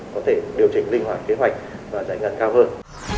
có thể điều chỉnh linh hoạt kế hoạch và giải ngân cao hơn